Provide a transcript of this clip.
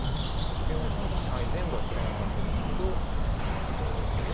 これは全部は取れなかったですけど。